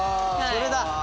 それだ。